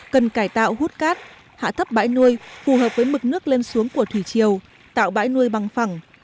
cần cải tạo hút cát hạ thấp bãi nuôi phù hợp với mực nước lên xuống của thủy chiều tạo bãi nuôi bằng phẳng